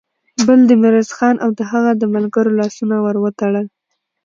بل د ميرويس خان او د هغه د ملګرو لاسونه ور وتړل.